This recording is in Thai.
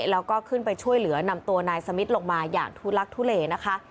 แล้วก็ขึ้นไปช่วยเหลือนำตัวนายสมิทลงมาอย่างทุลักทุเลนะคะ